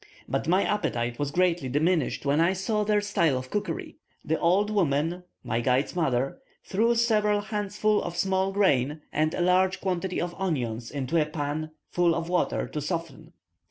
But my appetite was greatly diminished when I saw their style of cookery. The old woman (my guide's mother) threw several handsful of small grain, and a large quantity of onions, into a pan full of water to soften.